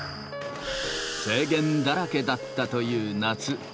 制限だらけだったという夏。